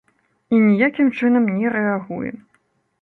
І ніякім чынам не рэагуе.